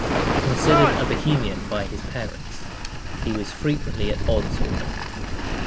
Considered a bohemian by his parents, he was frequently at odds with them.